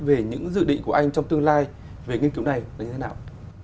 về những dự định của anh trong tương lai về nghiên cứu này là như thế nào